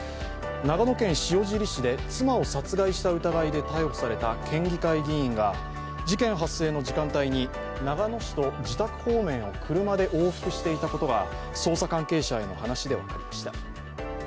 長野県塩尻市で妻を殺害した疑いで逮捕された県議会議員が事件発生の時間帯に長野市と自宅方面を車で往復していたことが捜査関係者への話で分かりました。